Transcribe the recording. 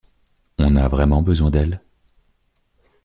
On a vraiment besoin d’elle?